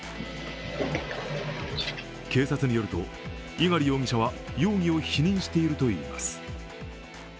警察によると猪狩容疑者は容疑を否認しているといいます。